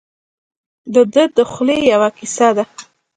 دده د خولې یوه کیسه ده.